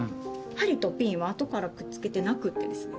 針とピンは後からくっつけてなくってですね